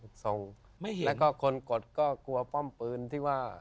ส่งไม่เห็นแล้วก็คนกดก็กลัวป้อมปืนที่ว่า